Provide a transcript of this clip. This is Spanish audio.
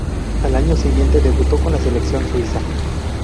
Al año siguiente debutó con la selección suiza.